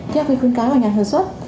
theo khuyến cáo của nhà sản xuất